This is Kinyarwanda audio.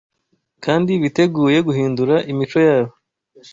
kandi biteguye guhindura imico yabo